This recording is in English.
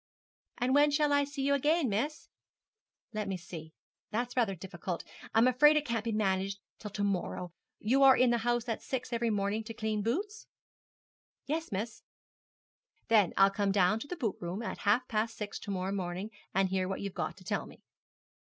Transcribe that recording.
'And when shall I see you agen, miss?' 'Let me see. That's rather difficult. I'm afraid it can't be managed till to morrow. You are in the house at six every morning to clean the boots?' 'Yes, miss.' 'Then I'll come down to the boot room at half past six to morrow morning and hear what you've got to tell me.'